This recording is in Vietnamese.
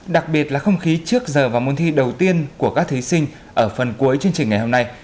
đặc biệt là không khí trước giờ vào môn thi đầu tiên của các thí sinh ở phần cuối chương trình ngày hôm nay